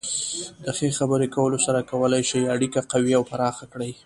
د ښې خبرې کولو سره کولی شئ اړیکه قوي او پراخه کړئ.